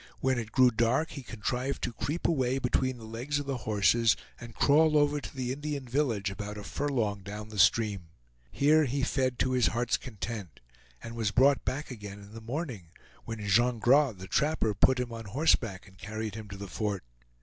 When it grew dark he contrived to creep away between the legs of the horses and crawl over to the Indian village, about a furlong down the stream. Here he fed to his heart's content, and was brought back again in the morning, when Jean Gras, the trapper, put him on horseback and carried him to the fort.